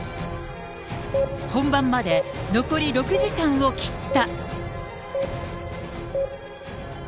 本番まで残り６時間を切った。